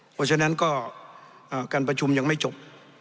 เพราะฉะนั้นก็การประชุมยังไม่จบ